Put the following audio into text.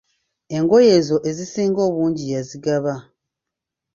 Engoye ezo ezisinga obungi yazigaba.